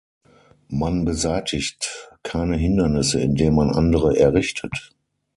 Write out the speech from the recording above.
Man beseitigt keine Hindernisse, indem man andere errichtet.